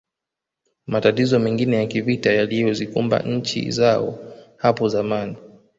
Matatizo mengine ya kivita yaliyozikumba nchi zao hapo zamani